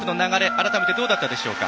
改めて、どうだったでしょうか。